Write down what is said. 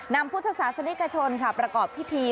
พุทธศาสนิกชนประกอบพิธี